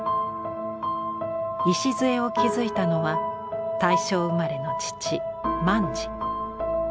礎を築いたのは大正生まれの父萬次。